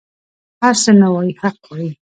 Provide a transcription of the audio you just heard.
هر څه نه وايي حق وايي.